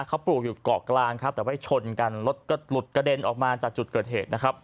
เขาปลูกอยู่เกาะกลางครับแต่ว่าชนกันรถก็หลุดกระเด็นออกมาจากจุดเกิดเหตุนะครับ